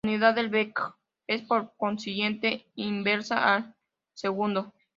La unidad de Bq es por consiguiente inversa al segundo.